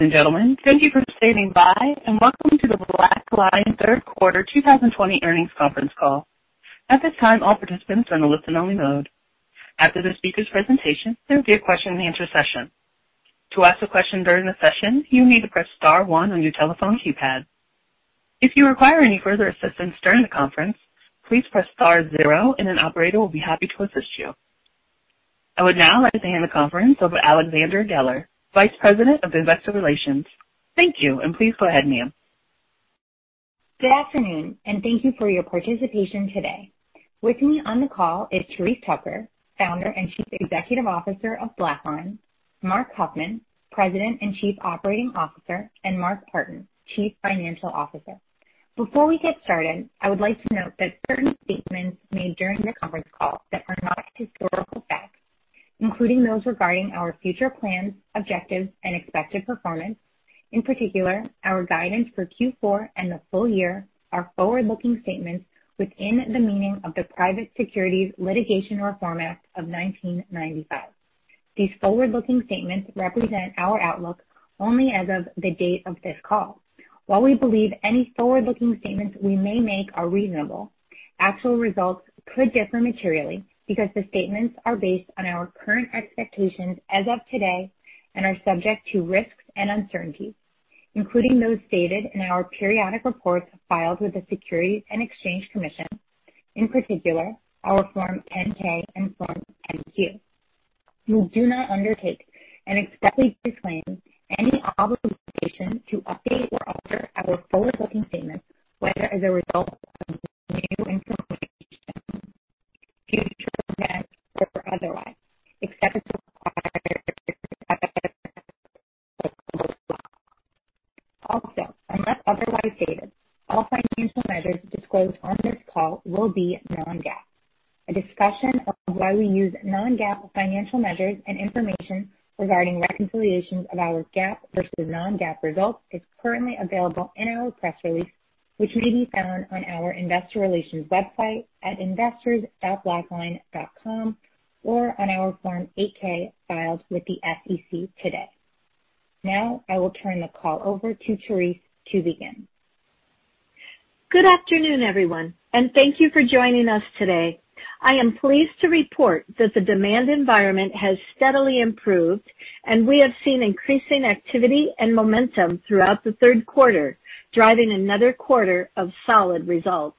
Gentlemen, thank you for standing by and welcome to the BlackLine Third Quarter 2020 earnings conference call. At this time, all participants are in a listen-only mode. After the speaker's presentation, there will be a question-and-answer session. To ask a question during the session, you will need to press star one on your telephone keypad. If you require any further assistance during the conference, please press star zero and an operator will be happy to assist you. I would now like to hand the conference over to Alexandra Geller, Vice President of Investor Relations. Thank you, and please go ahead, ma'am. Good afternoon, and thank you for your participation today. With me on the call is Therese Tucker, Founder and Chief Executive Officer of BlackLine, Marc Huffman, President and Chief Operating Officer, and Mark Partin, Chief Financial Officer. Before we get started, I would like to note that certain statements made during the conference call that are not historical facts, including those regarding our future plans, objectives, and expected performance, in particular, our guidance for Q4 and the full year, are forward-looking statements within the meaning of the Private Securities Litigation Reform Act of 1995. These forward-looking statements represent our outlook only as of the date of this call. While we believe any forward-looking statements we may make are reasonable, actual results could differ materially because the statements are based on our current expectations as of today and are subject to risks and uncertainties, including those stated in our periodic reports filed with the Securities and Exchange Commission, in particular, our Form 10-K and Form 10-Q. We do not undertake and expect to claim any obligation to update or alter our forward-looking statements, whether as a result of new information, future events, or otherwise, except as required by the bylaws. Also, unless otherwise stated, all financial measures disclosed on this call will be non-GAAP. A discussion of why we use non-GAAP financial measures and information regarding reconciliation of our GAAP versus non-GAAP results is currently available in our press release, which may be found on our Investor Relations website at investors.blackline.com or on our Form 8-K filed with the SEC today. Now, I will turn the call over to Therese to begin. Good afternoon, everyone, and thank you for joining us today. I am pleased to report that the demand environment has steadily improved, and we have seen increasing activity and momentum throughout the third quarter, driving another quarter of solid results.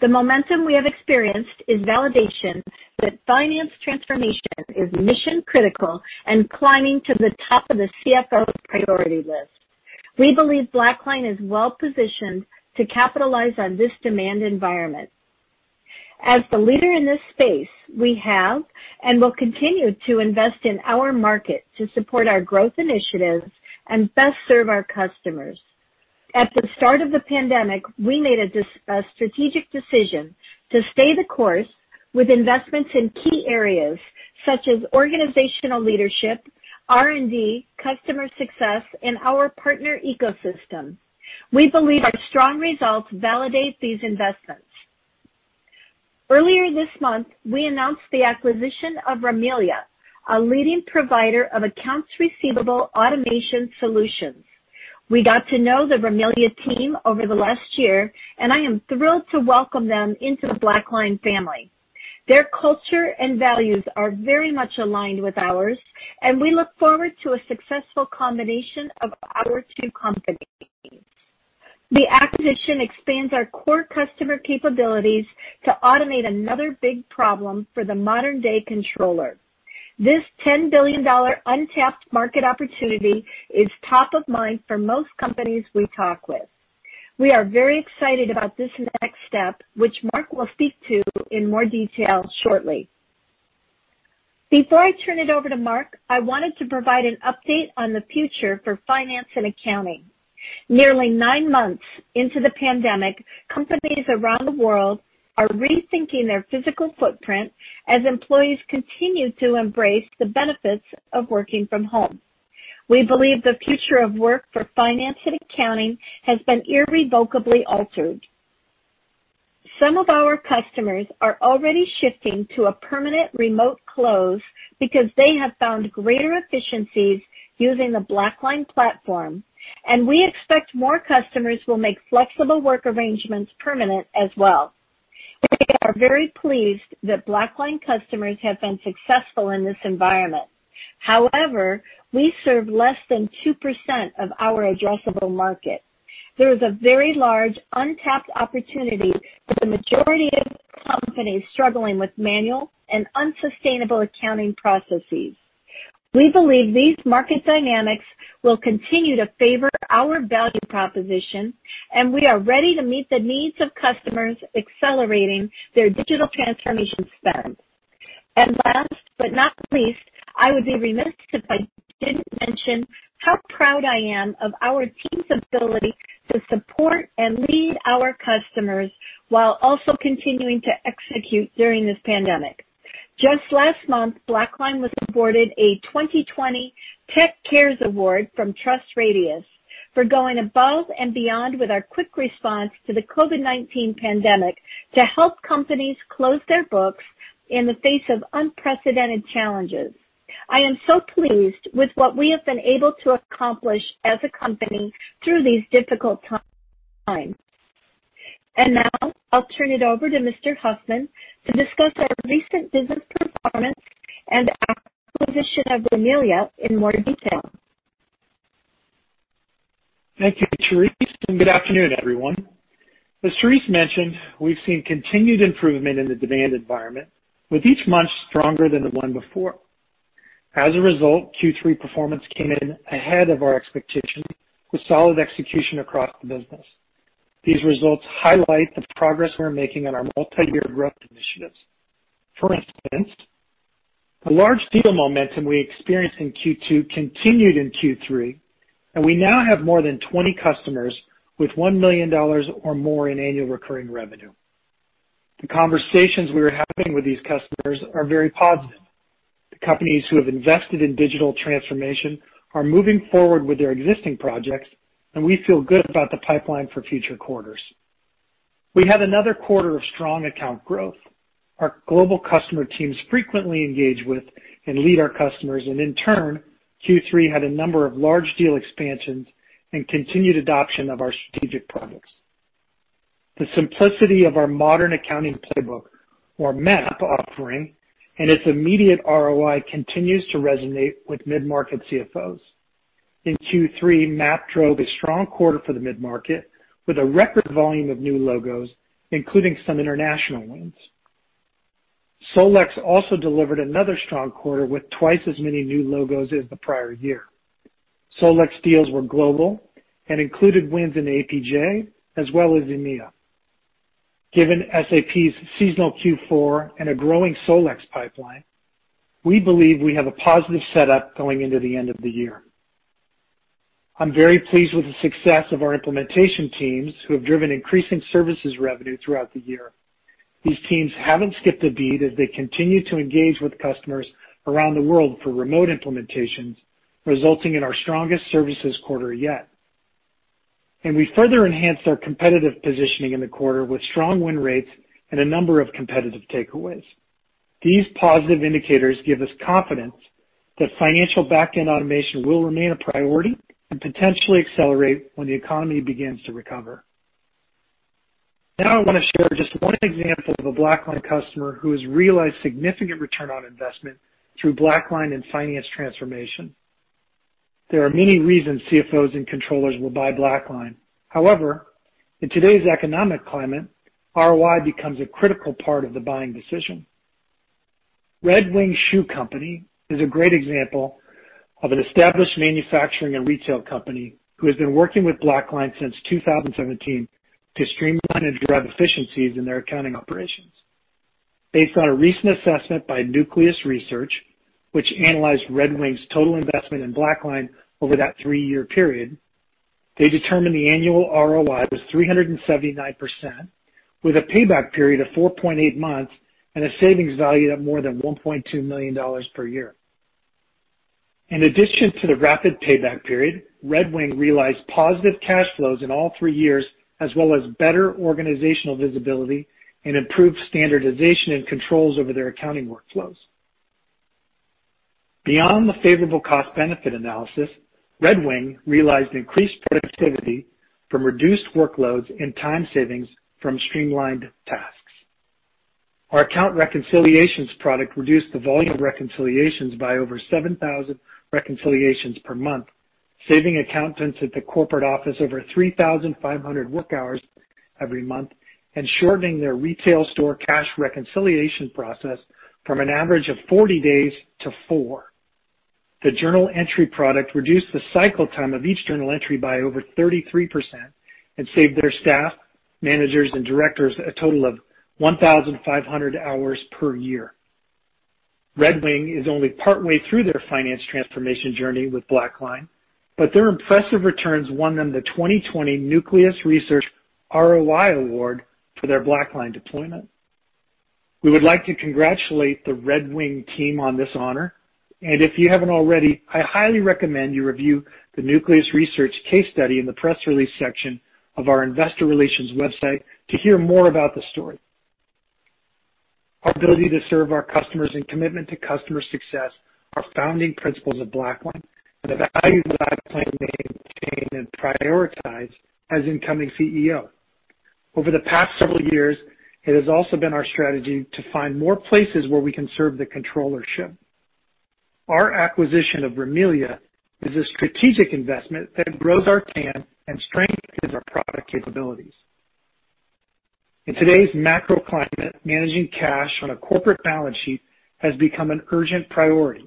The momentum we have experienced is validation that finance transformation is mission-critical and climbing to the top of the CFO priority list. We believe BlackLine is well-positioned to capitalize on this demand environment. As the leader in this space, we have and will continue to invest in our market to support our growth initiatives and best serve our customers. At the start of the pandemic, we made a strategic decision to stay the course with investments in key areas such as organizational leadership, R&D, customer success, and our partner ecosystem. We believe our strong results validate these investments. Earlier this month, we announced the acquisition of Rimilia, a leading provider of accounts receivable automation solutions. We got to know the Rimilia team over the last year, and I am thrilled to welcome them into the BlackLine family. Their culture and values are very much aligned with ours, and we look forward to a successful combination of our two companies. The acquisition expands our core customer capabilities to automate another big problem for the modern-day controller. This $10 billion untapped market opportunity is top of mind for most companies we talk with. We are very excited about this next step, which Marc will speak to in more detail shortly. Before I turn it over to Marc, I wanted to provide an update on the future for finance and accounting. Nearly nine months into the pandemic, companies around the world are rethinking their physical footprint as employees continue to embrace the benefits of working from home. We believe the future of work for finance and accounting has been irrevocably altered. Some of our customers are already shifting to a permanent remote close because they have found greater efficiencies using the BlackLine platform, and we expect more customers will make flexible work arrangements permanent as well. We are very pleased that BlackLine customers have been successful in this environment. However, we serve less than 2% of our addressable market. There is a very large untapped opportunity for the majority of companies struggling with manual and unsustainable accounting processes. We believe these market dynamics will continue to favor our value proposition, and we are ready to meet the needs of customers accelerating their digital transformation spend. Last but not least, I would be remiss if I did not mention how proud I am of our team's ability to support and lead our customers while also continuing to execute during this pandemic. Just last month, BlackLine was awarded a 2020 Tech Cares Award from TrustRadius for going above and beyond with our quick response to the COVID-19 pandemic to help companies close their books in the face of unprecedented challenges. I am so pleased with what we have been able to accomplish as a company through these difficult times. Now, I'll turn it over to Mr. Huffman to discuss our recent business performance and acquisition of Rimilia in more detail. Thank you, Therese, and good afternoon, everyone. As Therese mentioned, we've seen continued improvement in the demand environment, with each month stronger than the one before. As a result, Q3 performance came in ahead of our expectations with solid execution across the business. These results highlight the progress we're making on our multi-year growth initiatives. For instance, the large deal momentum we experienced in Q2 continued in Q3, and we now have more than 20 customers with $1 million or more in annual recurring revenue. The conversations we were having with these customers are very positive. The companies who have invested in digital transformation are moving forward with their existing projects, and we feel good about the pipeline for future quarters. We had another quarter of strong account growth. Our global customer teams frequently engage with and lead our customers, and in turn, Q3 had a number of large deal expansions and continued adoption of our strategic products. The simplicity of our Modern Accounting Playbook, or MAP, offering and its immediate ROI continue to resonate with mid-market CFOs. In Q3, MAP drove a strong quarter for the mid-market with a record volume of new logos, including some international ones. SolEx also delivered another strong quarter with twice as many new logos as the prior year. SolEx deals were global and included wins in APJ as well as EMEA. Given SAP's seasonal Q4 and a growing SolEx pipeline, we believe we have a positive setup going into the end of the year. I'm very pleased with the success of our implementation teams who have driven increasing services revenue throughout the year. These teams have not skipped a beat as they continue to engage with customers around the world for remote implementations, resulting in our strongest services quarter yet. We further enhanced our competitive positioning in the quarter with strong win rates and a number of competitive takeaways. These positive indicators give us confidence that financial backend automation will remain a priority and potentially accelerate when the economy begins to recover. Now, I want to share just one example of a BlackLine customer who has realized significant ROI through BlackLine and finance transformation. There are many reasons CFOs and controllers will buy BlackLine. However, in today's economic climate, ROI becomes a critical part of the buying decision. Red Wing Shoe Company is a great example of an established manufacturing and retail company who has been working with BlackLine since 2017 to streamline and drive efficiencies in their accounting operations. Based on a recent assessment by Nucleus Research, which analyzed Red Wing's total investment in BlackLine over that three-year period, they determined the annual ROI was 379%, with a payback period of 4.8 months and a savings value of more than $1.2 million per year. In addition to the rapid payback period, Red Wing realized positive cash flows in all three years, as well as better organizational visibility and improved standardization and controls over their accounting workflows. Beyond the favorable cost-benefit analysis, Red Wing realized increased productivity from reduced workloads and time savings from streamlined tasks. Our Account Reconciliations product reduced the volume of reconciliations by over 7,000 reconciliations per month, saving accountants at the corporate office over 3,500 work hours every month and shortening their retail store cash reconciliation process from an average of 40 days to 4. The Journal Entry product reduced the cycle time of each journal entry by over 33% and saved their staff, managers, and directors a total of 1,500 hours per year. Red Wing is only partway through their finance transformation journey with BlackLine, but their impressive returns won them the 2020 Nucleus Research ROI Award for their BlackLine deployment. We would like to congratulate the Red Wing team on this honor, and if you haven't already, I highly recommend you review the Nucleus Research case study in the press release section of our Investor Relations website to hear more about the story. Our ability to serve our customers and commitment to customer success are founding principles of BlackLine and the values that I plan to maintain and prioritize as incoming CEO. Over the past several years, it has also been our strategy to find more places where we can serve the controllership. Our acquisition of Rimilia is a strategic investment that grows our TAM and strengthens our product capabilities. In today's macro climate, managing cash on a corporate balance sheet has become an urgent priority.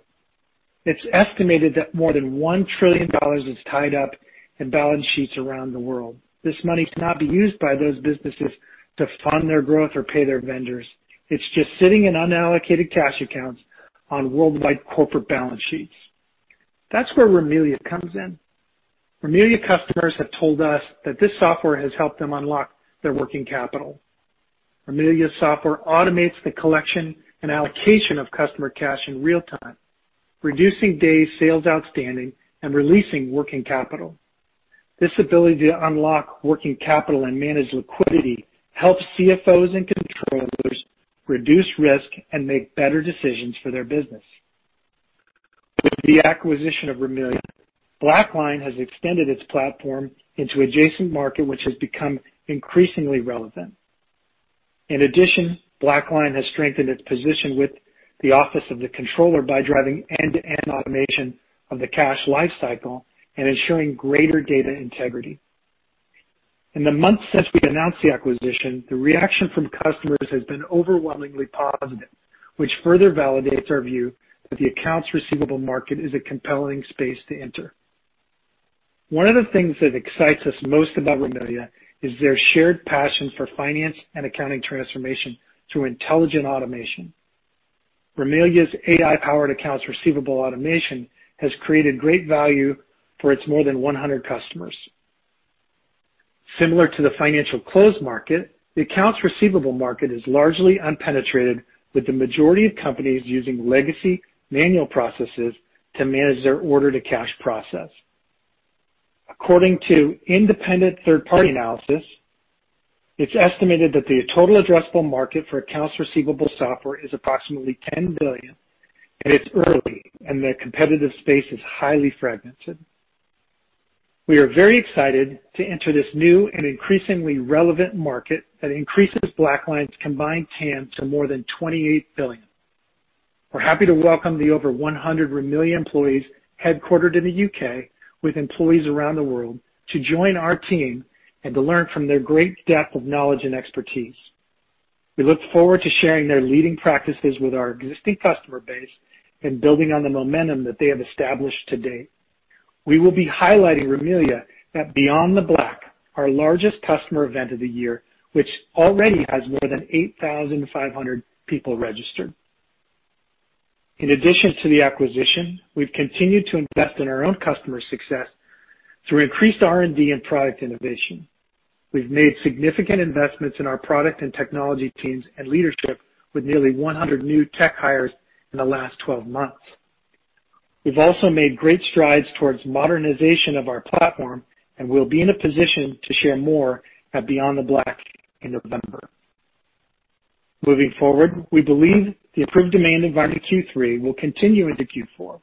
It's estimated that more than $1 trillion is tied up in balance sheets around the world. This money cannot be used by those businesses to fund their growth or pay their vendors. It's just sitting in unallocated cash accounts on worldwide corporate balance sheets. That's where Rimilia comes in. Rimilia customers have told us that this software has helped them unlock their working capital. Rimilia software automates the collection and allocation of customer cash in real time, reducing days sales outstanding and releasing working capital. This ability to unlock working capital and manage liquidity helps CFOs and controllers reduce risk and make better decisions for their business. With the acquisition of Rimilia, BlackLine has extended its platform into an adjacent market, which has become increasingly relevant. In addition, BlackLine has strengthened its position with the office of the controller by driving end-to-end automation of the cash lifecycle and ensuring greater data integrity. In the months since we announced the acquisition, the reaction from customers has been overwhelmingly positive, which further validates our view that the accounts receivable market is a compelling space to enter. One of the things that excites us most about Rimilia is their shared passion for finance and accounting transformation through intelligent automation. Rimilia's AI-powered accounts receivable automation has created great value for its more than 100 customers. Similar to the financial close market, the accounts receivable market is largely unpenetrated, with the majority of companies using legacy manual processes to manage their order-to-cash process. According to independent third-party analysis, it's estimated that the total addressable market for accounts receivable software is approximately $10 billion, and it's early, and the competitive space is highly fragmented. We are very excited to enter this new and increasingly relevant market that increases BlackLine's combined TAM to more than $28 billion. We're happy to welcome the over 100 Rimilia employees headquartered in the U.K., with employees around the world, to join our team and to learn from their great depth of knowledge and expertise. We look forward to sharing their leading practices with our existing customer base and building on the momentum that they have established to date. We will be highlighting Rimilia at Beyond the Black, our largest customer event of the year, which already has more than 8,500 people registered. In addition to the acquisition, we've continued to invest in our own customer success through increased R&D and product innovation. We've made significant investments in our product and technology teams and leadership with nearly 100 new tech hires in the last 12 months. We've also made great strides towards modernization of our platform, and we'll be in a position to share more at Beyond the Black in November. Moving forward, we believe the improved demand environment Q3 will continue into Q4.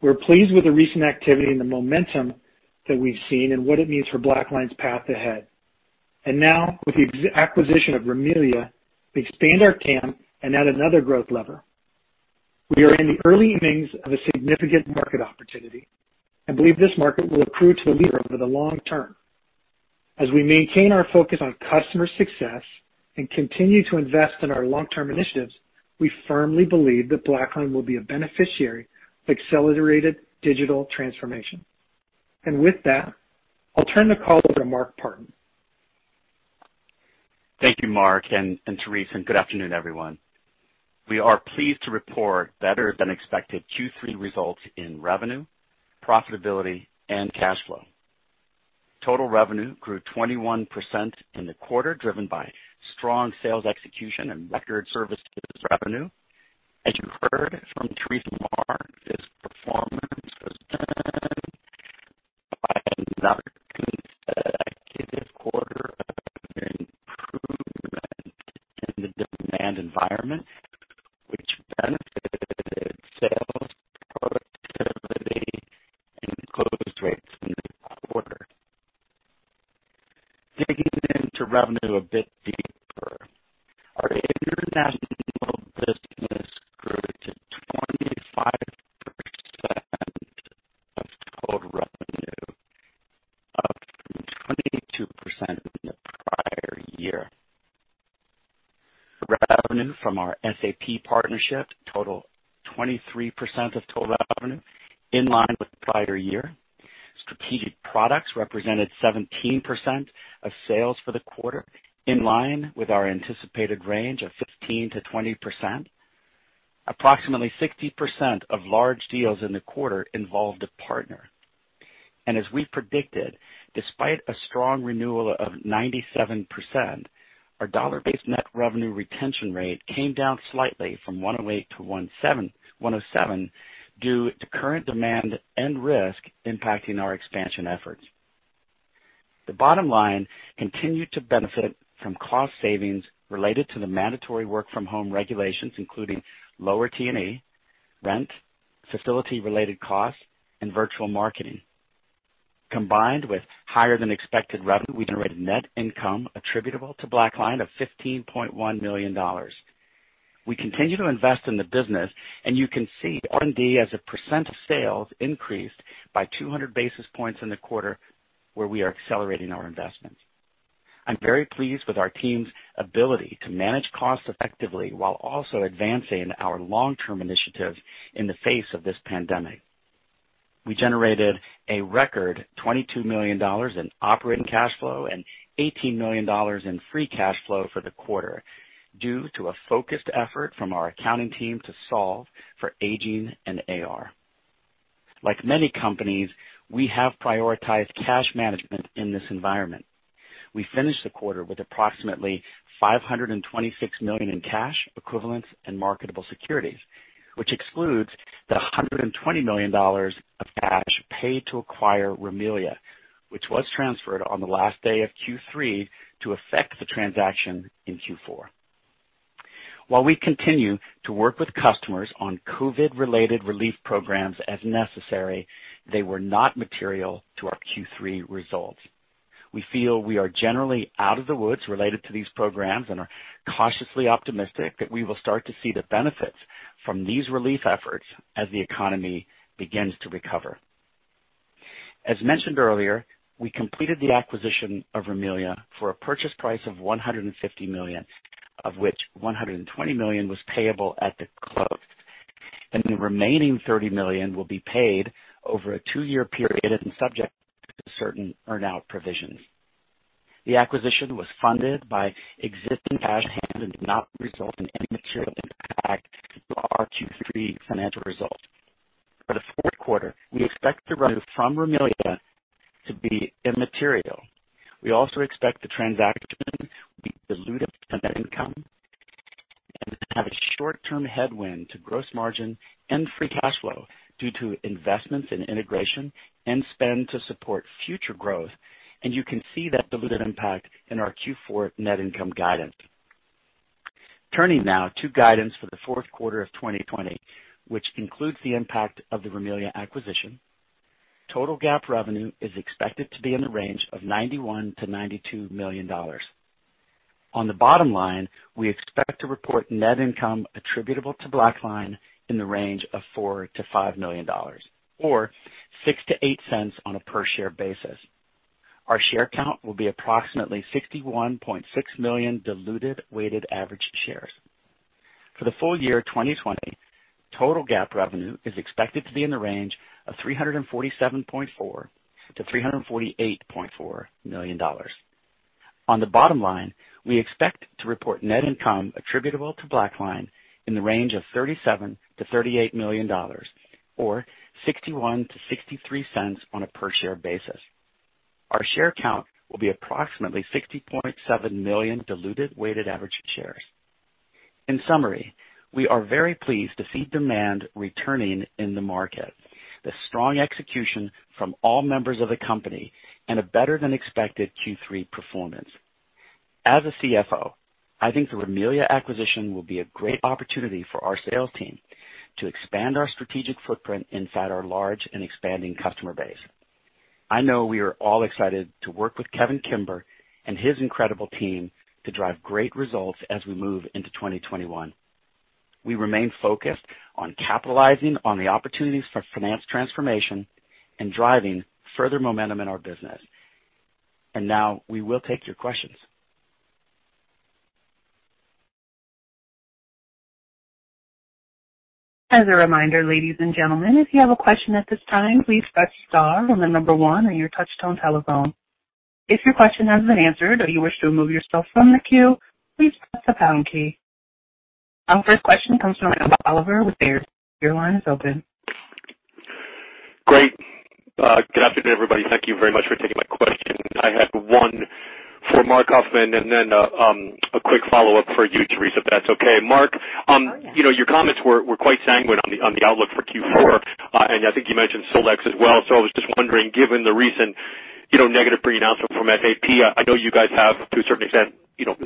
We're pleased with the recent activity and the momentum that we've seen and what it means for BlackLine's path ahead. Now, with the acquisition of Rimilia, we expand our TAM and add another growth lever. We are in the early innings of a significant market opportunity and believe this market will accrue to the leader over the long term. As we maintain our focus on customer success and continue to invest in our long-term initiatives, we firmly believe that BlackLine will be a beneficiary of accelerated digital transformation. With that, I'll turn the call over to Mark Partin. Thank you, Marc and Therese, and good afternoon, everyone. We are pleased to report better-than-expected Q3 results in revenue, profitability, and cash flow. Total revenue grew 21% in the quarter, driven by strong sales execution and record services revenue. As you heard from Therese, this performance was driven by another active quarter of improvement in the demand environment, which benefited sales, productivity, and close rates in the quarter. Digging into revenue a bit deeper, our international business grew to 25% of total revenue, up from 22% in the prior year. Revenue from our SAP partnership totaled 23% of total revenue, in line with the prior year. Strategic products represented 17% of sales for the quarter, in line with our anticipated range of 15-20%. Approximately 60% of large deals in the quarter involved a partner. As we predicted, despite a strong renewal of 97%, our dollar-based net revenue retention rate came down slightly from 108%-107% due to current demand and risk impacting our expansion efforts. The bottom line continued to benefit from cost savings related to the mandatory work-from-home regulations, including lower T&E, rent, facility-related costs, and virtual marketing. Combined with higher-than-expected revenue, we generated net income attributable to BlackLine of $15.1 million. We continue to invest in the business, and you can see R&D as a percent of sales increased by 200 basis points in the quarter, where we are accelerating our investments. I'm very pleased with our team's ability to manage costs effectively while also advancing our long-term initiatives in the face of this pandemic. We generated a record $22 million in operating cash flow and $18 million in free cash flow for the quarter, due to a focused effort from our accounting team to solve for aging and AR. Like many companies, we have prioritized cash management in this environment. We finished the quarter with approximately $526 million in cash equivalents and marketable securities, which excludes the $120 million of cash paid to acquire Rimilia, which was transferred on the last day of Q3 to affect the transaction in Q4. While we continue to work with customers on COVID-related relief programs as necessary, they were not material to our Q3 results. We feel we are generally out of the woods related to these programs and are cautiously optimistic that we will start to see the benefits from these relief efforts as the economy begins to recover. As mentioned earlier, we completed the acquisition of Rimilia for a purchase price of $150 million, of which $120 million was payable at the close, and the remaining $30 million will be paid over a two-year period and subject to certain earn-out provisions. The acquisition was funded by existing cash on hand and did not result in any material impact to our Q3 financial results. For the fourth quarter, we expect the revenue from Rimilia to be immaterial. We also expect the transaction will be dilutive to net income and have a short-term headwind to gross margin and free cash flow due to investments in integration and spend to support future growth, and you can see that dilutive impact in our Q4 net income guidance. Turning now to guidance for the fourth quarter of 2020, which includes the impact of the Rimilia acquisition, total GAAP revenue is expected to be in the range of $91-$92 million. On the bottom line, we expect to report net income attributable to BlackLine in the range of $4-$5 million, or $0.06-$0.08 on a per-share basis. Our share count will be approximately 61.6 million diluted weighted average shares. For the full year 2020, total GAAP revenue is expected to be in the range of $347.4-$348.4 million. On the bottom line, we expect to report net income attributable to BlackLine in the range of $37-$38 million, or $0.61-$0.63 on a per-share basis. Our share count will be approximately 60.7 million diluted weighted average shares. In summary, we are very pleased to see demand returning in the market, the strong execution from all members of the company, and a better-than-expected Q3 performance. As a CFO, I think the Rimilia acquisition will be a great opportunity for our sales team to expand our strategic footprint inside our large and expanding customer base. I know we are all excited to work with Kevin Kimber and his incredible team to drive great results as we move into 2021. We remain focused on capitalizing on the opportunities for finance transformation and driving further momentum in our business. We will take your questions. As a reminder, ladies and gentlemen, if you have a question at this time, please press star and then the number one on your touch-tone telephone. If your question has been answered or you wish to remove yourself from the queue, please press the pound key. Our first question comes from Oliver with Baird. Your line is open. Great. Good afternoon, everybody. Thank you very much for taking my question. I had one for Marc Huffman and then a quick follow-up for you, Therese, if that's okay. Marc, your comments were quite sanguine on the outlook for Q4, and I think you mentioned SolEx as well. I was just wondering, given the recent negative pre-announcement from SAP, I know you guys have, to a certain extent,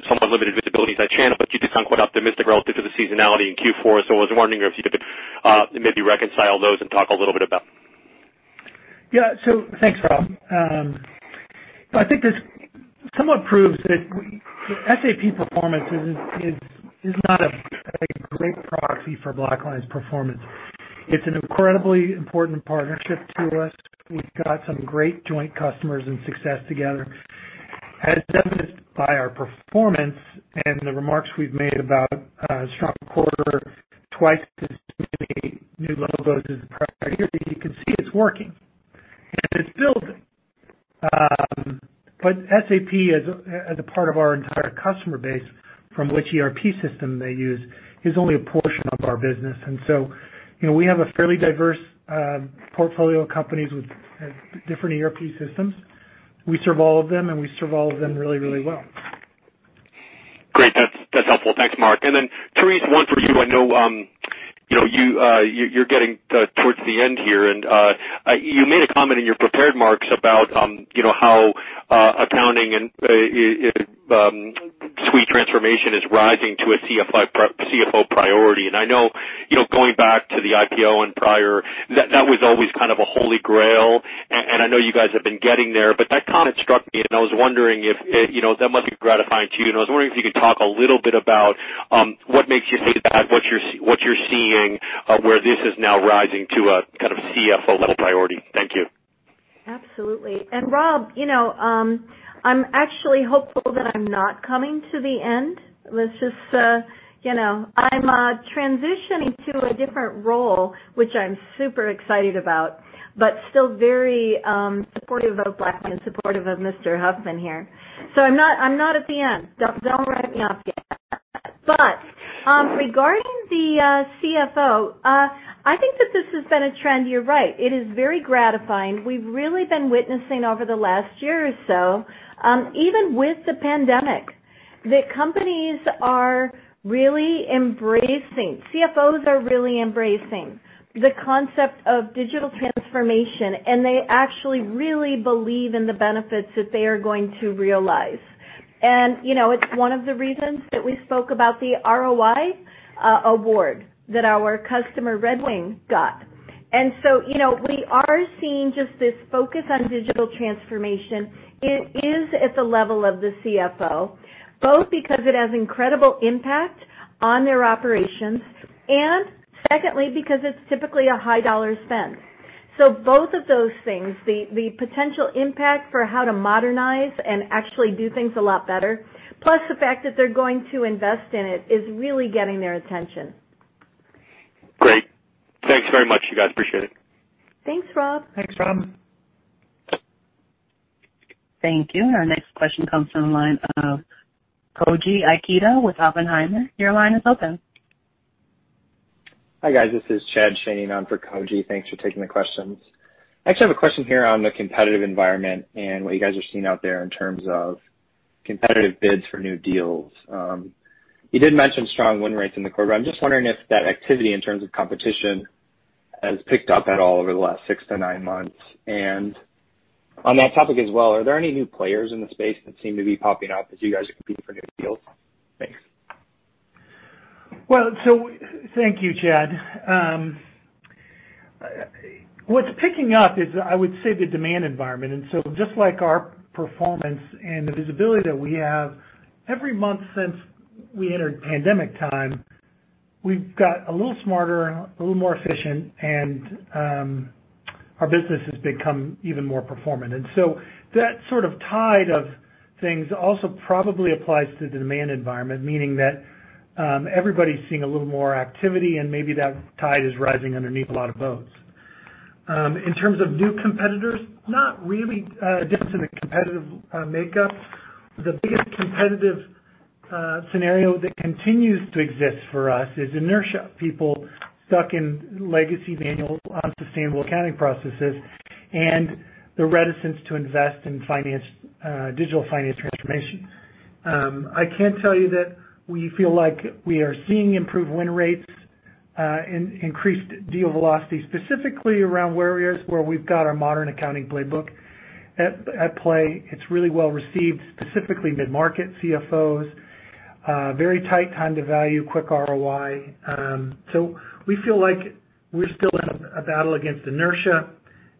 somewhat limited visibility to that channel, but you did sound quite optimistic relative to the seasonality in Q4. I was wondering if you could maybe reconcile those and talk a little bit about. Yeah. Thanks, Rob. I think this somewhat proves that SAP performance is not a great proxy for BlackLine's performance. It's an incredibly important partnership to us. We've got some great joint customers and success together. As evidenced by our performance and the remarks we've made about a strong quarter, twice as many new logos as the prior year, you can see it's working and it's building. SAP, as a part of our entire customer base from which ERP system they use, is only a portion of our business. We have a fairly diverse portfolio of companies with different ERP systems. We serve all of them, and we serve all of them really, really well. Great. That's helpful. Thanks, Marc. Therese, one for you. I know you're getting towards the end here, and you made a comment in your prepared marks about how accounting and suite transformation is rising to a CFO priority. I know going back to the IPO and prior, that was always kind of a holy grail, and I know you guys have been getting there, but that comment struck me, and I was wondering if that might be gratifying to you. I was wondering if you could talk a little bit about what makes you think that, what you're seeing, where this is now rising to a kind of CFO-level priority. Thank you. Absolutely. Rob, I'm actually hopeful that I'm not coming to the end. I'm transitioning to a different role, which I'm super excited about, but still very supportive of BlackLine and supportive of Mr. Huffman here. I am not at the end. Don't write me off yet. Regarding the CFO, I think that this has been a trend. You're right. It is very gratifying. We've really been witnessing over the last year or so, even with the pandemic, that companies are really embracing—CFOs are really embracing—the concept of digital transformation, and they actually really believe in the benefits that they are going to realize. It is one of the reasons that we spoke about the ROI award that our customer Red Wing got. We are seeing just this focus on digital transformation. It is at the level of the CFO, both because it has incredible impact on their operations and, secondly, because it's typically a high-dollar spend. Both of those things, the potential impact for how to modernize and actually do things a lot better, plus the fact that they're going to invest in it, is really getting their attention. Great. Thanks very much, you guys. Appreciate it. Thanks, Rob. Thanks, Rob. Thank you. Our next question comes from the line of Koji Ikeda with Oppenheimer. Your line is open. Hi guys. This is Chad Shanean on for Koji. Thanks for taking the questions. Actually, I have a question here on the competitive environment and what you guys are seeing out there in terms of competitive bids for new deals. You did mention strong win rates in the quarter. I'm just wondering if that activity in terms of competition has picked up at all over the last six to nine months. On that topic as well, are there any new players in the space that seem to be popping up as you guys are competing for new deals? Thanks. Thank you, Chad. What's picking up is, I would say, the demand environment. Just like our performance and the visibility that we have, every month since we entered pandemic time, we've got a little smarter, a little more efficient, and our business has become even more performant. That sort of tide of things also probably applies to the demand environment, meaning that everybody's seeing a little more activity, and maybe that tide is rising underneath a lot of boats. In terms of new competitors, not really a difference in the competitive makeup. The biggest competitive scenario that continues to exist for us is inertia—people stuck in legacy manual unsustainable accounting processes and the reticence to invest in digital finance transformation. I can tell you that we feel like we are seeing improved win rates and increased deal velocity, specifically around where we are, where we have got our Modern Accounting Playbook at play. It is really well received, specifically mid-market CFOs, very tight time to value, quick ROI. We feel like we are still in a battle against inertia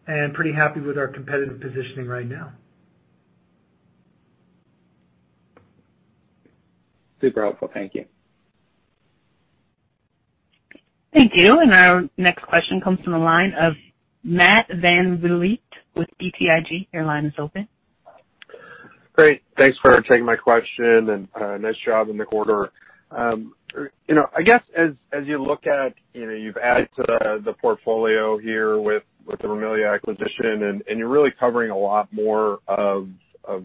and pretty happy with our competitive positioning right now. Super helpful. Thank you. Thank you. Our next question comes from the line of Matt VanVliet with BTIG. Your line is open. Great. Thanks for taking my question and nice job in the quarter. I guess as you look at you've added to the portfolio here with the Rimilia acquisition, and you're really covering a lot more of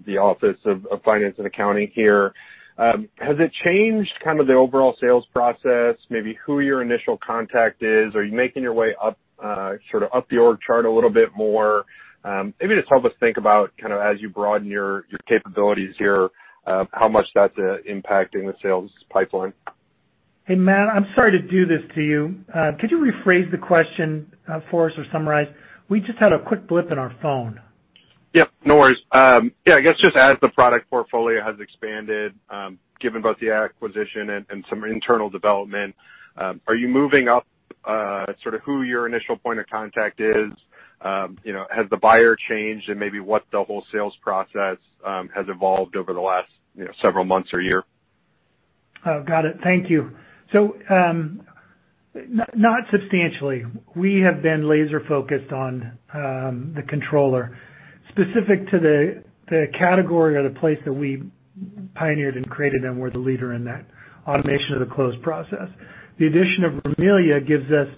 the office of finance and accounting here. Has it changed kind of the overall sales process, maybe who your initial contact is? Are you making your way up sort of up the org chart a little bit more? Maybe just help us think about kind of as you broaden your capabilities here, how much that's impacting the sales pipeline. Hey, Matt. I'm sorry to do this to you. Could you rephrase the question for us or summarize? We just had a quick blip in our phone. Yep. No worries. Yeah. I guess just as the product portfolio has expanded, given both the acquisition and some internal development, are you moving up sort of who your initial point of contact is? Has the buyer changed and maybe what the whole sales process has evolved over the last several months or year? Got it. Thank you. Not substantially. We have been laser-focused on the controller. Specific to the category or the place that we pioneered and created and were the leader in that automation of the close process, the addition of Rimilia gives us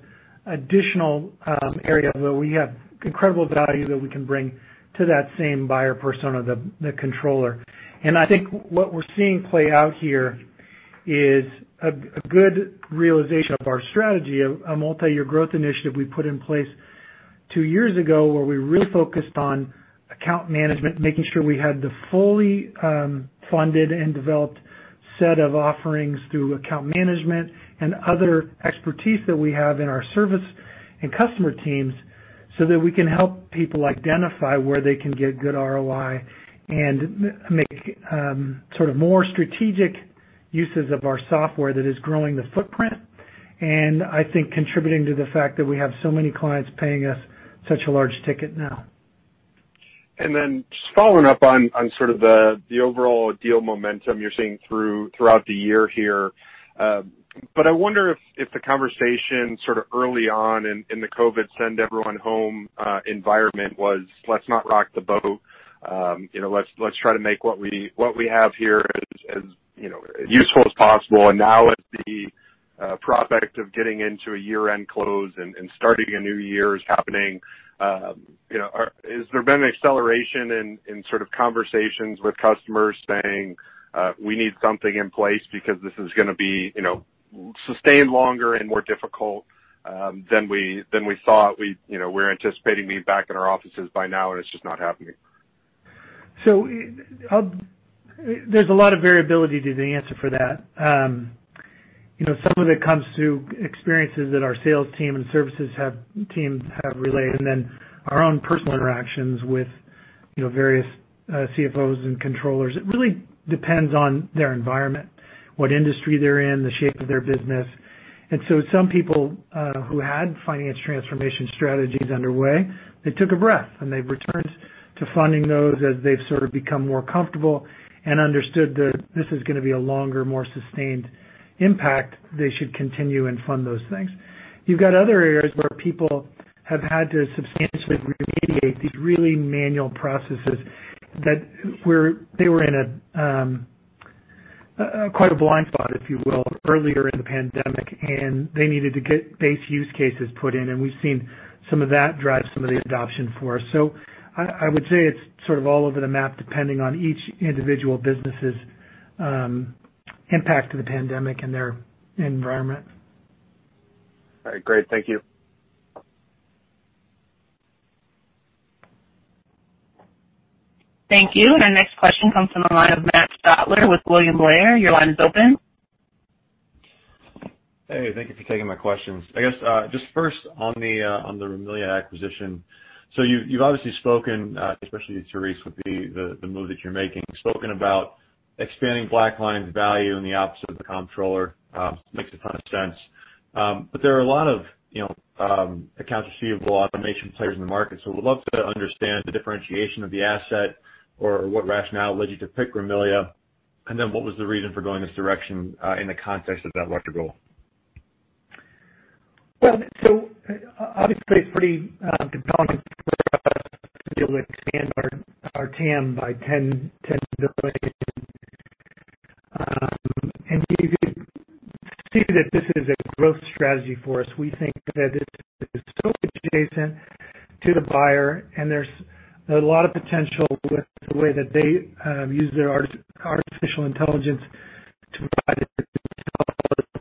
additional area where we have incredible value that we can bring to that same buyer persona, the controller. I think what we're seeing play out here is a good realization of our strategy, a multi-year growth initiative we put in place two years ago where we really focused on account management, making sure we had the fully funded and developed set of offerings through account management and other expertise that we have in our service and customer teams so that we can help people identify where they can get good ROI and make sort of more strategic uses of our software that is growing the footprint and I think contributing to the fact that we have so many clients paying us such a large ticket now. Just following up on sort of the overall deal momentum you're seeing throughout the year here, I wonder if the conversation sort of early on in the COVID send-everyone-home environment was, "Let's not rock the boat. Let's try to make what we have here as useful as possible." Now as the prospect of getting into a year-end close and starting a new year is happening, has there been an acceleration in sort of conversations with customers saying, "We need something in place because this is going to be sustained longer and more difficult than we thought. We're anticipating being back in our offices by now, and it's just not happening. There is a lot of variability to the answer for that. Some of it comes through experiences that our sales team and services team have relayed, and then our own personal interactions with various CFOs and controllers. It really depends on their environment, what industry they are in, the shape of their business. Some people who had finance transformation strategies underway took a breath, and they have returned to funding those as they have sort of become more comfortable and understood that this is going to be a longer, more sustained impact. They should continue and fund those things. You have other areas where people have had to substantially remediate these really manual processes that they were in quite a blind spot, if you will, earlier in the pandemic, and they needed to get base use cases put in. We've seen some of that drive some of the adoption for us. I would say it's sort of all over the map depending on each individual business's impact to the pandemic and their environment. All right. Great. Thank you. Thank you. Our next question comes from the line of Matt Stotler with William Blair. Your line is open. Hey. Thank you for taking my questions. I guess just first on the Rimilia acquisition, so you've obviously spoken, especially Therese with the move that you're making, spoken about expanding BlackLine's value in the office of the controller. Makes a ton of sense. There are a lot of accounts receivable automation players in the market, so we'd love to understand the differentiation of the asset or what rationale led you to pick Rimilia, and then what was the reason for going this direction in the context of that larger goal? Obviously, it's pretty compelling for us to deal with our TAM by $10 billion. You could see that this is a growth strategy for us. We think that this is so adjacent to the buyer, and there's a lot of potential with the way that they use their artificial intelligence to provide the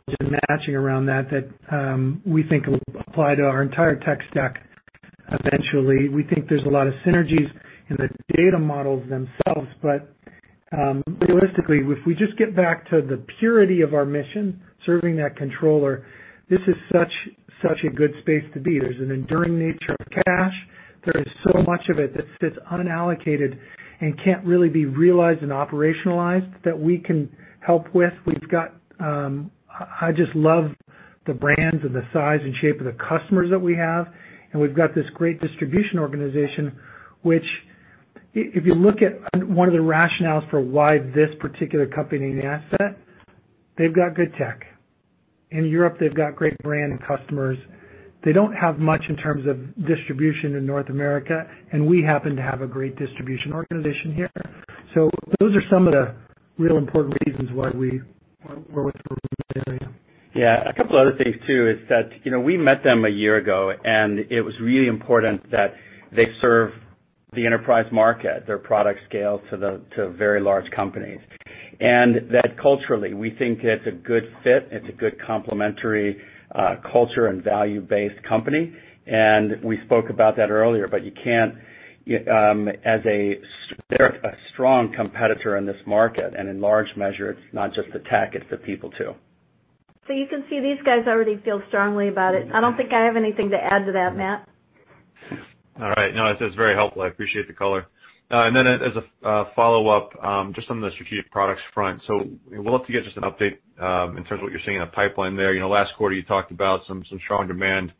intelligent matching around that that we think will apply to our entire tech stack eventually. We think there's a lot of synergies in the data models themselves, but realistically, if we just get back to the purity of our mission, serving that controller, this is such a good space to be. There's an enduring nature of cash. There is so much of it that sits unallocated and can't really be realized and operationalized that we can help with. I just love the brands and the size and shape of the customers that we have. We have this great distribution organization, which if you look at one of the rationales for why this particular company and asset, they have good tech. In Europe, they have great brand and customers. They do not have much in terms of distribution in North America, and we happen to have a great distribution organization here. Those are some of the real important reasons why we were with Rimilia. Yeah. A couple of other things too is that we met them a year ago, and it was really important that they serve the enterprise market, their product scale to very large companies. That culturally, we think it's a good fit. It's a good complementary culture and value-based company. We spoke about that earlier, but you can't as a strong competitor in this market, and in large measure, it's not just the tech, it's the people too. You can see these guys already feel strongly about it. I don't think I have anything to add to that, Matt. All right. No, this is very helpful. I appreciate the color. As a follow-up, just on the strategic products front, we would love to get just an update in terms of what you are seeing in the pipeline there. Last quarter, you talked about some strong demand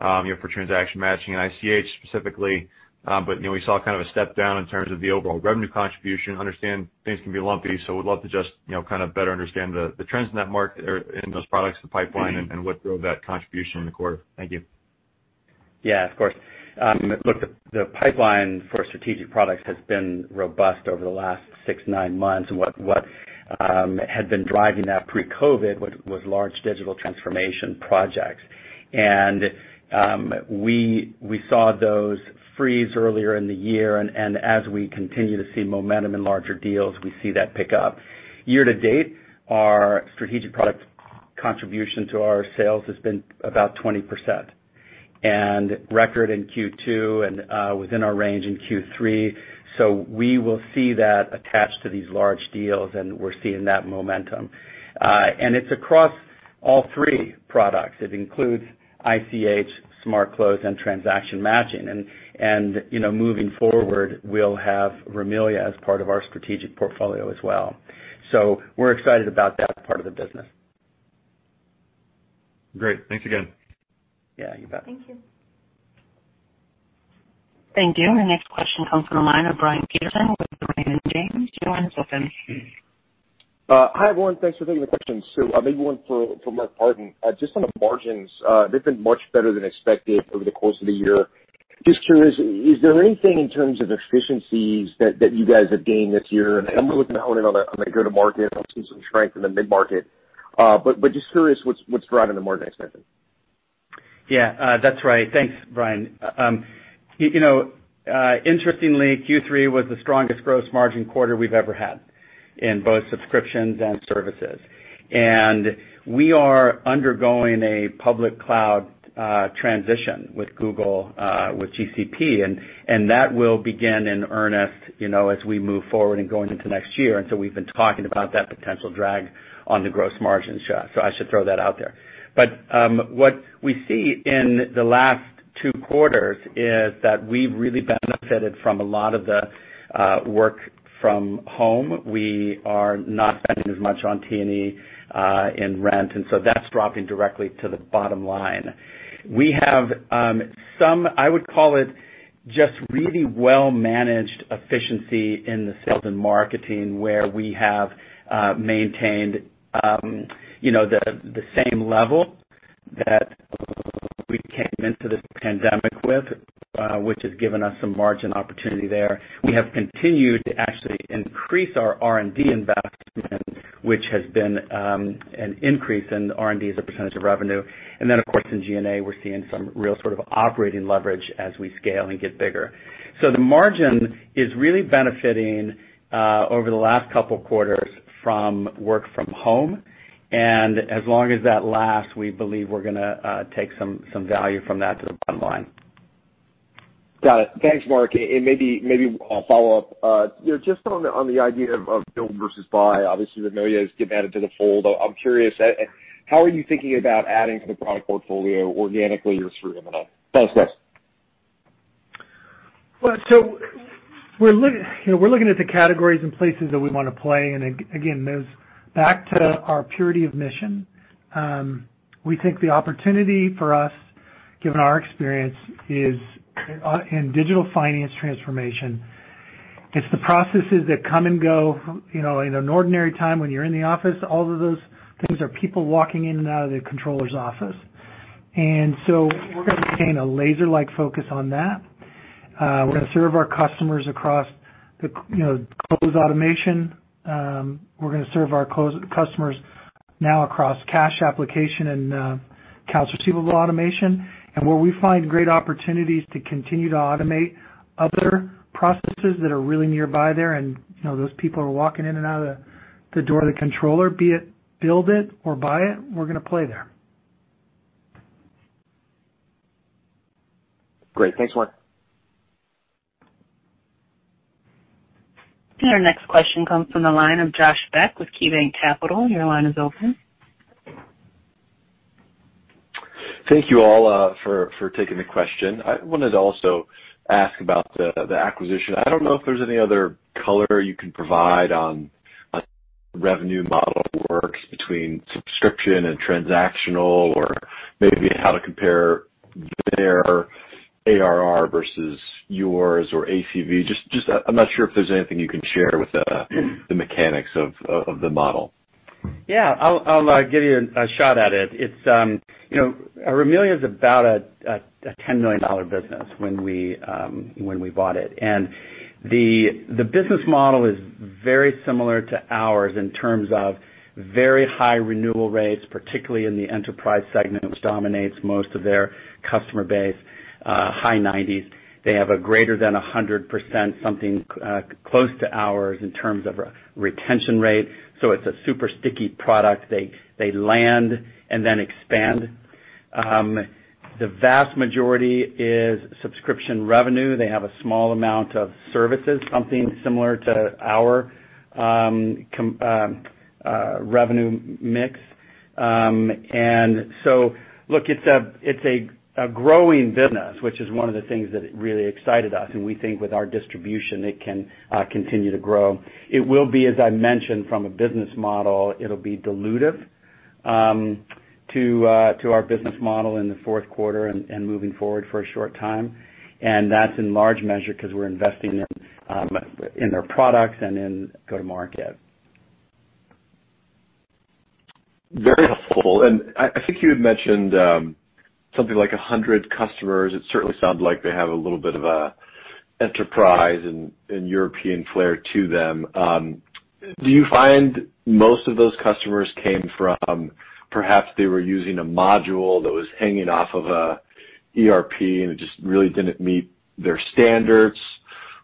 for Transaction Matching and ICH specifically, but we saw kind of a step down in terms of the overall revenue contribution. I understand things can be lumpy, so we would love to just kind of better understand the trends in that market and those products, the pipeline, and what drove that contribution in the quarter. Thank you. Yeah, of course. Look, the pipeline for strategic products has been robust over the last six to nine months, and what had been driving that pre-COVID was large digital transformation projects. We saw those freeze earlier in the year, and as we continue to see momentum in larger deals, we see that pick up. Year to date, our strategic product contribution to our sales has been about 20% and record in Q2 and within our range in Q3. We will see that attached to these large deals, and we're seeing that momentum. It is across all three products. It includes ICH, Smart Close, and Transaction Matching. Moving forward, we'll have Rimilia as part of our strategic portfolio as well. We are excited about that part of the business. Great. Thanks again. Yeah. You bet. Thank you. Thank you. Our next question comes from the line of Brian Peterson with Raymond James. Your line is open. Hi, everyone. Thanks for taking the question. Maybe one for Mark Partin. Just on the margins, they've been much better than expected over the course of the year. Just curious, is there anything in terms of efficiencies that you guys have gained this year? I'm looking at owning on the go-to-market. I've seen some strength in the mid-market. Just curious what's driving the margin expansion. Yeah. That's right. Thanks, Brian. Interestingly, Q3 was the strongest gross margin quarter we've ever had in both subscriptions and services. We are undergoing a public cloud transition with Google, with GCP, and that will begin in earnest as we move forward and go into next year. We have been talking about that potential drag on the gross margin shot. I should throw that out there. What we see in the last two quarters is that we've really benefited from a lot of the work from home. We are not spending as much on T&E and rent, and that's dropping directly to the bottom line. We have some, I would call it, just really well-managed efficiency in the sales and marketing where we have maintained the same level that we came into this pandemic with, which has given us some margin opportunity there. We have continued to actually increase our R&D investment, which has been an increase in R&D as a percentage of revenue. Of course, in G&A, we're seeing some real sort of operating leverage as we scale and get bigger. The margin is really benefiting over the last couple of quarters from work from home. As long as that lasts, we believe we're going to take some value from that to the bottom line. Got it. Thanks, Mark. Maybe I'll follow up. Just on the idea of build versus buy, obviously, Rimilia is getting added to the fold. I'm curious, how are you thinking about adding to the product portfolio organically or through M&A? Thanks, guys. We're looking at the categories and places that we want to play. Again, those back to our purity of mission. We think the opportunity for us, given our experience in digital finance transformation, is the processes that come and go in an ordinary time when you're in the office. All of those things are people walking in and out of the controller's office. We're going to maintain a laser-like focus on that. We're going to serve our customers across the close automation. We're going to serve our customers now across cash application and accounts receivable automation. Where we find great opportunities to continue to automate other processes that are really nearby there and those people are walking in and out of the door of the controller, be it build it or buy it, we're going to play there. Great. Thanks, Marc. Our next question comes from the line of Josh Beck with KeyBank Capital. Your line is open. Thank you all for taking the question. I wanted to also ask about the acquisition. I do not know if there is any other color you can provide on revenue model works between subscription and transactional or maybe how to compare their ARR versus yours or ACV. I am not sure if there is anything you can share with the mechanics of the model. Yeah. I'll give you a shot at it. Rimilia is about a $10 million business when we bought it. The business model is very similar to ours in terms of very high renewal rates, particularly in the enterprise segment, which dominates most of their customer base, high 90s. They have a greater than 100%, something close to ours in terms of retention rate. It's a super sticky product. They land and then expand. The vast majority is subscription revenue. They have a small amount of services, something similar to our revenue mix. Look, it's a growing business, which is one of the things that really excited us. We think with our distribution, it can continue to grow. It will be, as I mentioned, from a business model, it'll be dilutive to our business model in the fourth quarter and moving forward for a short time. That is in large measure because we're investing in their products and in go-to-market. Very helpful. I think you had mentioned something like 100 customers. It certainly sounds like they have a little bit of an enterprise and European flair to them. Do you find most of those customers came from perhaps they were using a module that was hanging off of an ERP and it just really did not meet their standards?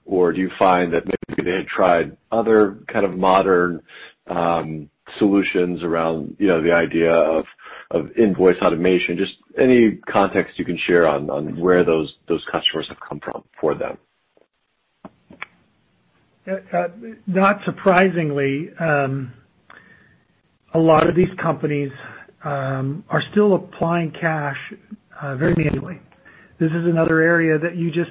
Do you find that maybe they had tried other kind of modern solutions around the idea of invoice automation? Just any context you can share on where those customers have come from for them. Not surprisingly, a lot of these companies are still applying cash very manually. This is another area that you just,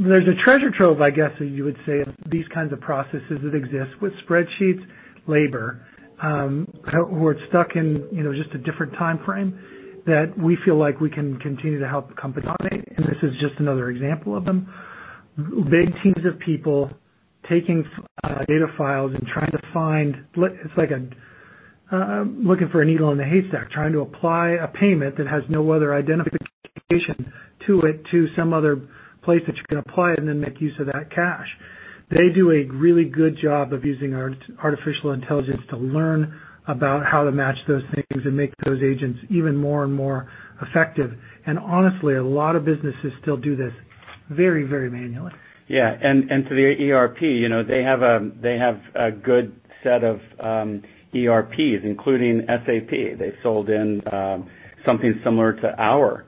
there's a treasure trove, I guess, as you would say, of these kinds of processes that exist with spreadsheets, labor, where it's stuck in just a different time frame that we feel like we can continue to help company automate. This is just another example of them. Big teams of people taking data files and trying to find, it's like looking for a needle in the haystack, trying to apply a payment that has no other identification to it to some other place that you can apply and then make use of that cash. They do a really good job of using our artificial intelligence to learn about how to match those things and make those agents even more and more effective. Honestly, a lot of businesses still do this very, very manually. Yeah. To the ERP, they have a good set of ERPs, including SAP. They have sold in something similar to our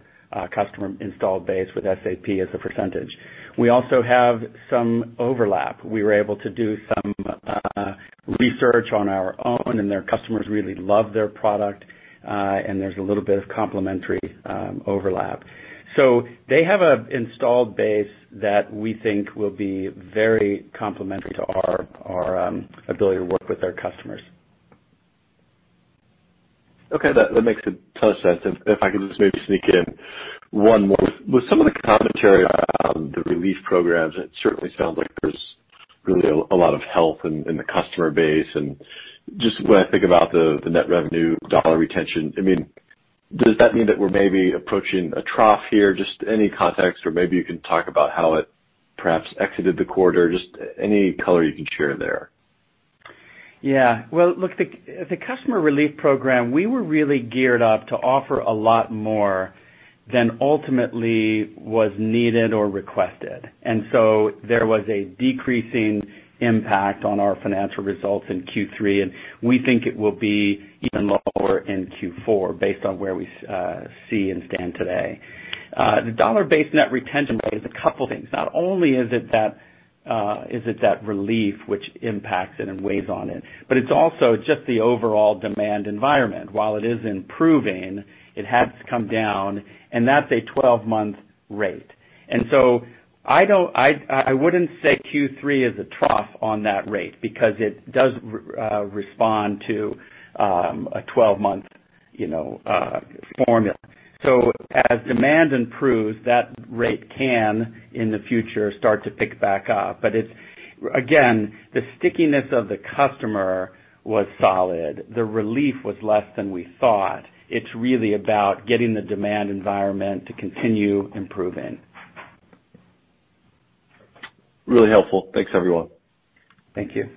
customer installed base with SAP as a percentage. We also have some overlap. We were able to do some research on our own, and their customers really love their product, and there is a little bit of complementary overlap. They have an installed base that we think will be very complementary to our ability to work with their customers. Okay. That makes a ton of sense. If I can just maybe sneak in one more. With some of the commentary around the relief programs, it certainly sounds like there's really a lot of health in the customer base. And just when I think about the net revenue dollar retention, I mean, does that mean that we're maybe approaching a trough here? Just any context, or maybe you can talk about how it perhaps exited the quarter. Just any color you can share there. Yeah. Look, the customer relief program, we were really geared up to offer a lot more than ultimately was needed or requested. There was a decreasing impact on our financial results in Q3, and we think it will be even lower in Q4 based on where we see and stand today. The dollar-based net retention rate is a couple of things. Not only is it that relief which impacts it and weighs on it, but it is also just the overall demand environment. While it is improving, it has come down, and that is a 12-month rate. I would not syay Q3 is a trough on that rate because it does respond to a 12-month formula. As demand improves, that rate can in the future start to pick back up. Again, the stickiness of the customer was solid. The relief was less than we thought. It's really about getting the demand environment to continue improving. Really helpful. Thanks, everyone. Thank you.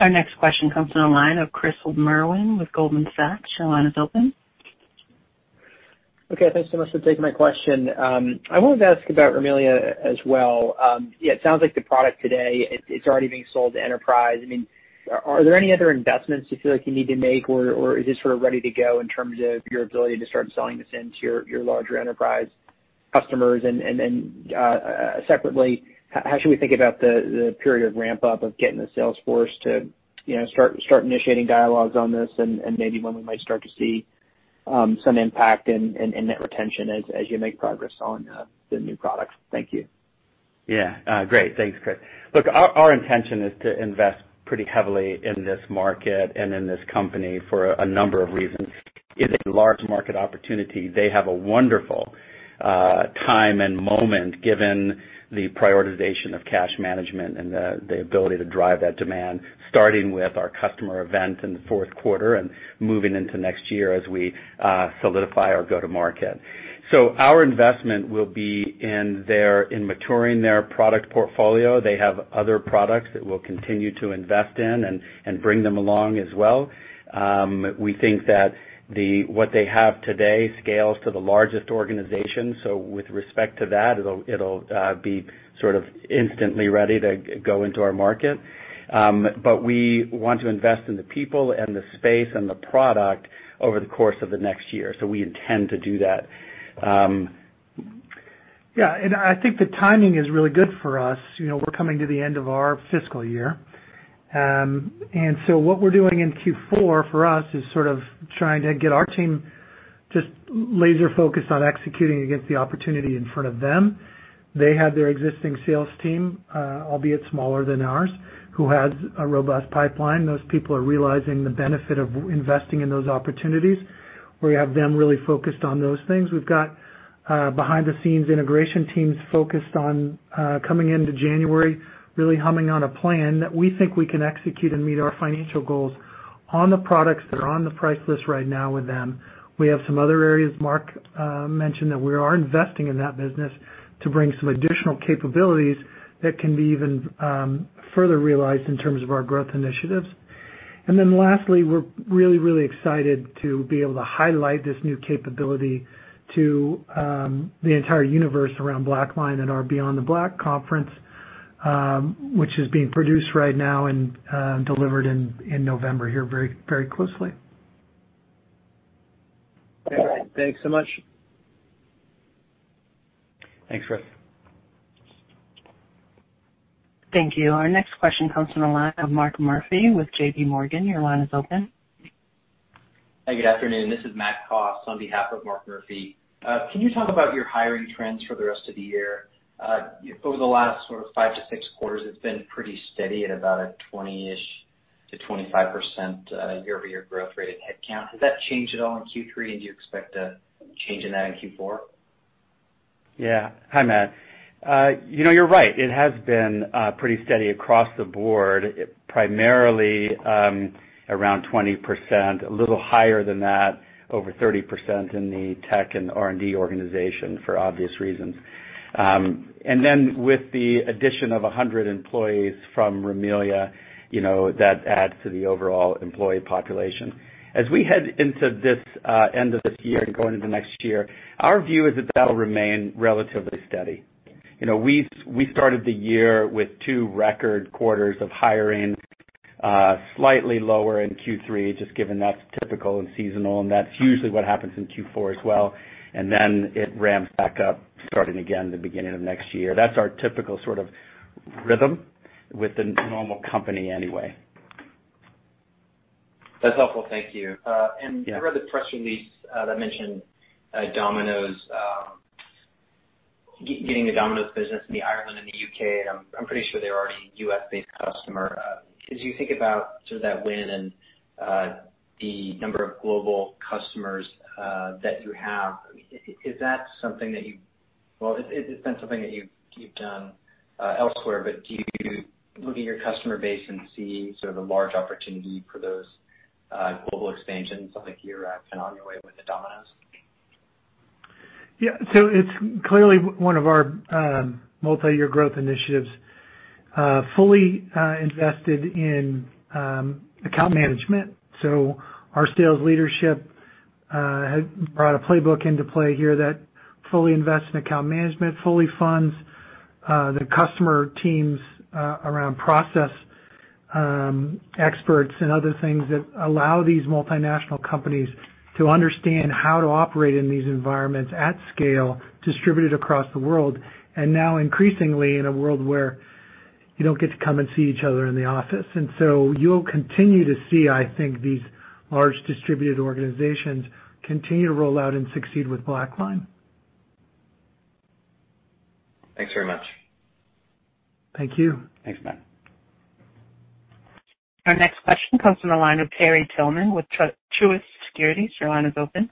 Our next question comes from the line of Chris Merwin with Goldman Sachs. Your line is open. Okay. Thanks so much for taking my question. I wanted to ask about Rimilia as well. Yeah, it sounds like the product today, it's already being sold to enterprise. I mean, are there any other investments you feel like you need to make, or is it sort of ready to go in terms of your ability to start selling this into your larger enterprise customers? Separately, how should we think about the period of ramp-up of getting the sales force to start initiating dialogues on this and maybe when we might start to see some impact in net retention as you make progress on the new product? Thank you. Yeah. Great. Thanks, Chris. Look, our intention is to invest pretty heavily in this market and in this company for a number of reasons. It is a large market opportunity. They have a wonderful time and moment given the prioritization of cash management and the ability to drive that demand, starting with our customer event in the fourth quarter and moving into next year as we solidify our go-to-market. Our investment will be in maturing their product portfolio. They have other products that we will continue to invest in and bring them along as well. We think that what they have today scales to the largest organization. With respect to that, it will be sort of instantly ready to go into our market. We want to invest in the people and the space and the product over the course of the next year. We intend to do that. Yeah. I think the timing is really good for us. We're coming to the end of our fiscal year. What we're doing in Q4 for us is sort of trying to get our team just laser-focused on executing against the opportunity in front of them. They have their existing sales team, albeit smaller than ours, who has a robust pipeline. Those people are realizing the benefit of investing in those opportunities where you have them really focused on those things. We've got behind-the-scenes integration teams focused on coming into January, really humming on a plan that we think we can execute and meet our financial goals on the products that are on the price list right now with them. We have some other areas Mark mentioned that we are investing in that business to bring some additional capabilities that can be even further realized in terms of our growth initiatives. Lastly, we're really, really excited to be able to highlight this new capability to the entire universe around BlackLine and our Beyond the Black Conference, which is being produced right now and delivered in November here very closely. All right. Thanks so much. Thanks, Chris. Thank you. Our next question comes from the line of Mark Murphy with JPMorgan. Your line is open. Hi, good afternoon. This is Matt Koss on behalf of Mark Murphy. Can you talk about your hiring trends for the rest of the year? Over the last sort of five to six quarters, it's been pretty steady at about a 20%-25% year-over-year growth rate at headcount. Has that changed at all in Q3, and do you expect a change in that in Q4? Yeah. Hi, Matt. You're right. It has been pretty steady across the board, primarily around 20%, a little higher than that, over 30% in the tech and R&D organization for obvious reasons. With the addition of 100 employees from Rimilia, that adds to the overall employee population. As we head into this end of this year and go into next year, our view is that that'll remain relatively steady. We started the year with two record quarters of hiring, slightly lower in Q3, just given that's typical and seasonal, and that's usually what happens in Q4 as well. It ramps back up starting again the beginning of next year. That's our typical sort of rhythm with a normal company anyway. That's helpful. Thank you. I read the press release that mentioned Domino's getting the Domino's business in Ireland and the U.K. I'm pretty sure they're already a U.S.-based customer. As you think about sort of that win and the number of global customers that you have, is that something that you—it's been something that you've done elsewhere, but do you look at your customer base and see sort of a large opportunity for those global expansions like you're kind of on your way with the Domino's? Yeah. It is clearly one of our multi-year growth initiatives, fully invested in account management. Our sales leadership has brought a playbook into play here that fully invests in account management, fully funds the customer teams around process experts and other things that allow these multinational companies to understand how to operate in these environments at scale distributed across the world, and now increasingly in a world where you do not get to come and see each other in the office. You will continue to see, I think, these large distributed organizations continue to roll out and succeed with BlackLine. Thanks very much. Thank you. Thanks, Matt. Our next question comes from the line of Terry Tillman with Truist Securities. Your line is open.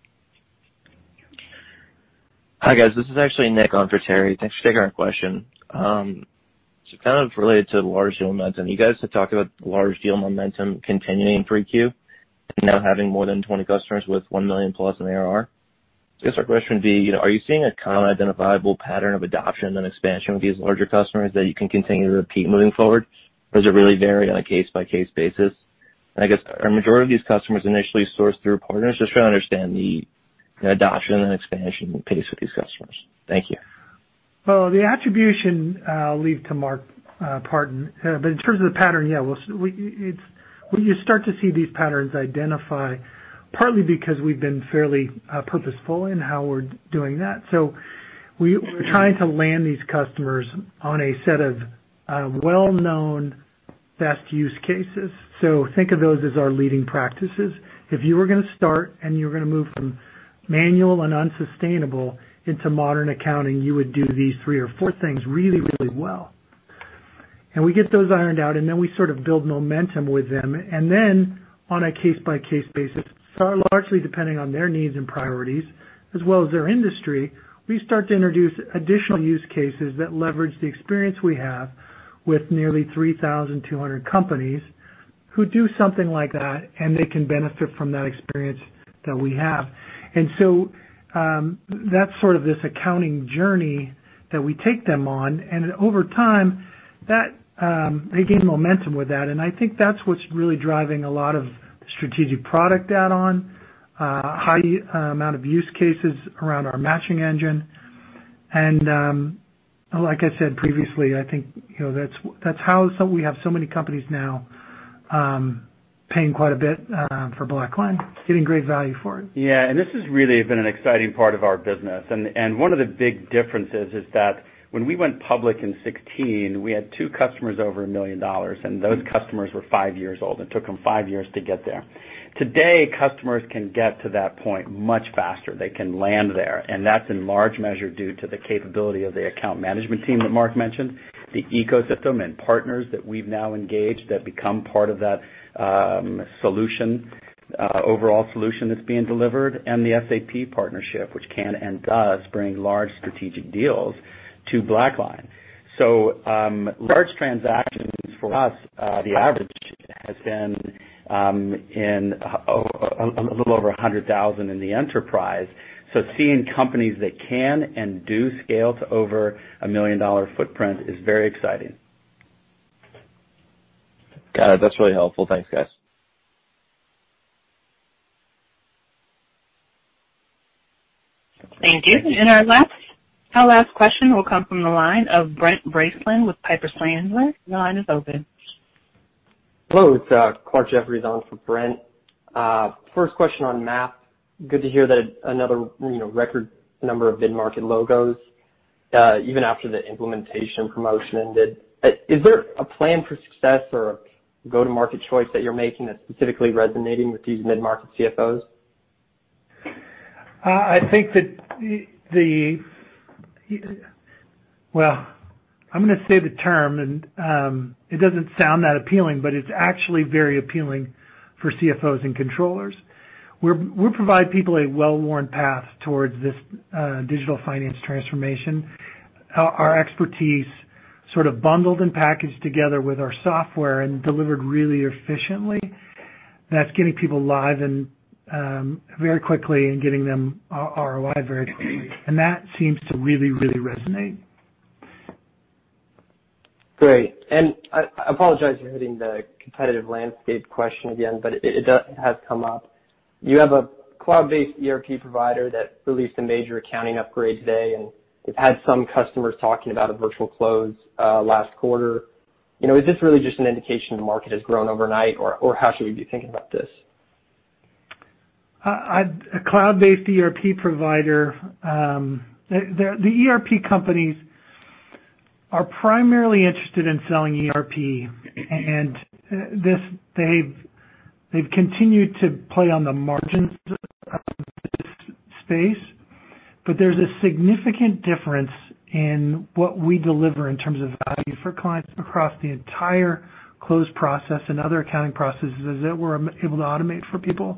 Hi guys. This is actually Nick on for Terry. Thanks for taking our question. Kind of related to large deal momentum, you guys have talked about large deal momentum continuing in 3Q and now having more than 20 customers with $1 million plus in their ARR. I guess our question would be, are you seeing a common identifiable pattern of adoption and expansion with these larger customers that you can continue to repeat moving forward, or does it really vary on a case-by-case basis? I guess are majority of these customers initially sourced through partners just trying to understand the adoption and expansion pace with these customers. Thank you. attribution I will leave to Mark Partin, but in terms of the pattern, yeah, we start to see these patterns identified partly because we've been fairly purposeful in how we're doing that. We are trying to land these customers on a set of well-known best use cases. Think of those as our leading practices. If you were going to start and you were going to move from manual and unsustainable into modern accounting, you would do these three or four things really, really well. We get those ironed out, and then we sort of build momentum with them. On a case-by-case basis, largely depending on their needs and priorities as well as their industry, we start to introduce additional use cases that leverage the experience we have with nearly 3,200 companies who do something like that, and they can benefit from that experience that we have. That is sort of this accounting journey that we take them on. Over time, they gain momentum with that. I think that is what is really driving a lot of strategic product add-on, high amount of use cases around our matching engine. Like I said previously, I think that is how we have so many companies now paying quite a bit for BlackLine, getting great value for it. Yeah. This has really been an exciting part of our business. One of the big differences is that when we went public in 2016, we had two customers over $1 million, and those customers were five years old. It took them five years to get there. Today, customers can get to that point much faster. They can land there. That is in large measure due to the capability of the account management team that Marc mentioned, the ecosystem and partners that we have now engaged that become part of that overall solution that is being delivered, and the SAP partnership, which can and does bring large strategic deals to BlackLine. Large transactions for us, the average has been a little over $100,000 in the enterprise. Seeing companies that can and do scale to over a $1 million footprint is very exciting. Got it. That's really helpful. Thanks, guys. Thank you. Our last question will come from the line of Brent Bracelin with Piper Sandler. Your line is open. Hello. It's Clark Jeffries on for Brent. First question on MAP. Good to hear that another record number of mid-market logos, even after the implementation promotion ended. Is there a plan for success or a go-to-market choice that you're making that's specifically resonating with these mid-market CFOs? I think that the—I'm going to say the term, and it doesn't sound that appealing, but it's actually very appealing for CFOs and controllers. We provide people a well-worn path towards this digital finance transformation. Our expertise sort of bundled and packaged together with our software and delivered really efficiently. That's getting people live very quickly and getting them ROI very quickly. That seems to really, really resonate. Great. I apologize for hitting the competitive landscape question again, but it has come up. You have a cloud-based ERP provider that released a major accounting upgrade today, and they've had some customers talking about a virtual close last quarter. Is this really just an indication the market has grown overnight, or how should we be thinking about this? A cloud-based ERP provider, the ERP companies are primarily interested in selling ERP, and they've continued to play on the margins of this space. There is a significant difference in what we deliver in terms of value for clients across the entire close process and other accounting processes that we're able to automate for people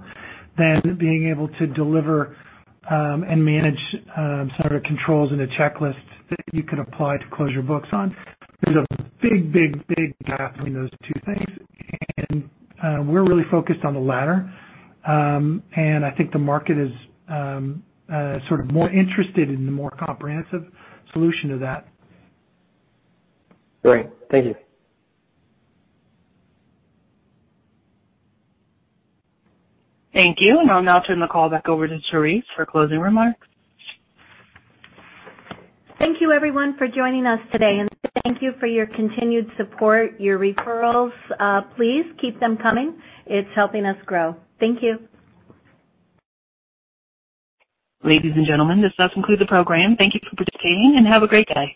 than being able to deliver and manage some of the controls and the checklists that you could apply to close your books on. There is a big, big, big gap between those two things, and we're really focused on the latter. I think the market is sort of more interested in the more comprehensive solution to that. Great. Thank you. Thank you. I'll now turn the call back over to Therese for closing remarks. Thank you, everyone, for joining us today. Thank you for your continued support, your referrals. Please keep them coming. It is helping us grow. Thank you. Ladies and gentlemen, this does conclude the program. Thank you for participating, and have a great day.